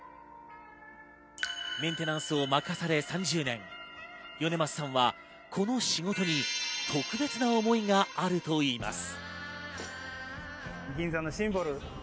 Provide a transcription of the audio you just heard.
メンテナンスを任され３０年、米桝さんはこの仕事に特別な思いがあるといいます。